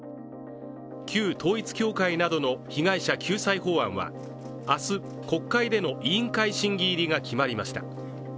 旧統一教会などの被害者救済法案は明日国会での委員会審議入りが決まりました。